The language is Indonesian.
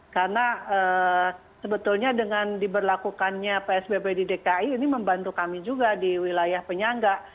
karena sebetulnya dengan diberlakukannya psbb di dki ini membantu kami juga di wilayah penyangga